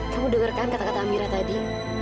kamu dengarkan kata kata amira tadi